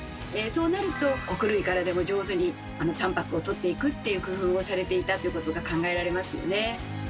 そうなると穀類からでも上手にタンパクをとっていくっていう工夫をされていたということが考えられますよね。